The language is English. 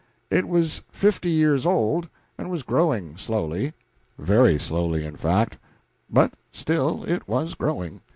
It was fifty years old, and was growing slowly very slowly, in fact, but still it was growing.